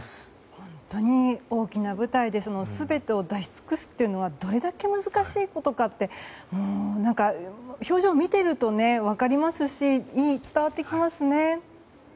本当に大きな舞台で全てを出し尽くすというのはどれだけ難しいことかって表情を見ていると分かりますし伝わってきますね。